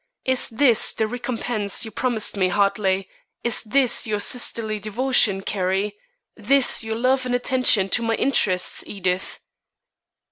Is this the recompense you promised me, Hartley? this your sisterly devotion, Carrie? this your love and attention to my interests, Edith?"